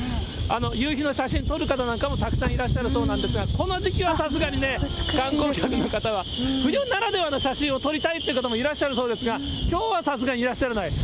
夕日の写真、撮る方なんかもたくさんいらっしゃるそうなんですが、この時期はさすがにね、観光客の方は、冬ならではの写真を撮りたいっていう方もいらっしゃるそうですが、きょうはさすがにいらっしゃらない。